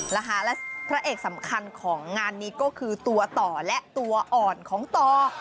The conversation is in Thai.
และพระเอกสำคัญของงานนี้ก็คือตัวต่อและตัวอ่อนของต่อ